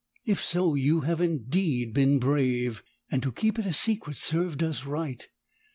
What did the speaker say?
If so you have indeed been brave, and to keep it secret served us right.